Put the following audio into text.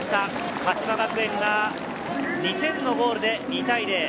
鹿島学園が２点のゴールで２対０。